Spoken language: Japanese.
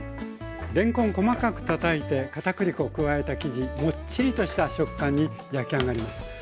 れんこん細かくたたいて片栗粉を加えた生地もっちりとした食感に焼き上がります。